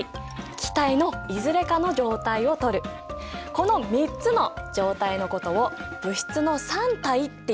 この３つの状態のことを「物質の三態」っていうんだよ。